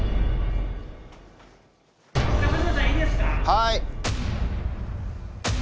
はい。